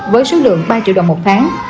với số lượng ba triệu đồng một tháng